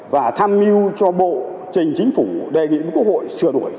và tham mưu cho bộ trình chính phủ đề nghị với quốc hội sửa đổi